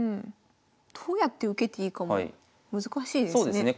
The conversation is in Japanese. どうやって受けていいかも難しいですね。